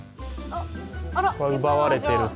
奪われてると。